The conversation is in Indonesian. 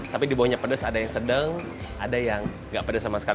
tapi dibawahnya pedes ada yang sedang ada yang enggak pedes sama sekali